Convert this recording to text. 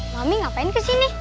mami ngapain kesini